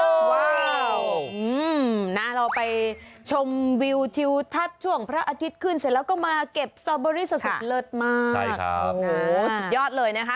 เราไปชมวิวทิวทัศน์ช่วงพระอาทิตย์ขึ้นเสร็จแล้วก็มาเก็บสตอเบอร์รี่สุดเลิศมากสุดยอดเลยนะครับ